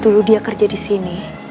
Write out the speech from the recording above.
dulu dia kerja di sini